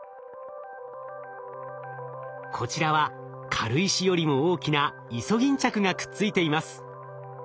こちらは軽石よりも大きなイソギンチャクがくっついています。